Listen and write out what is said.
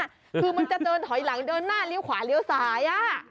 คือมันจะเดินถอยหลังเดินหน้าเลี้ยวขวาเลี้ยวซ้าย